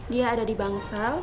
dia ada di bangsal